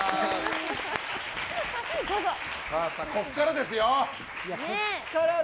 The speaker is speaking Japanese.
ここからですよ！